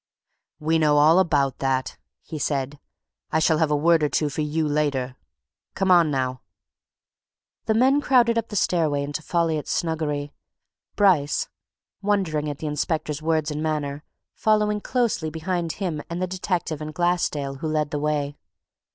"We know all about that!" he said. "I shall have a word or two for you later! Come on, now " The men crowded up the stairway into Folliot's snuggery, Bryce, wondering at the inspector's words and manner, following closely behind him and the detective and Glassdale, who led the way.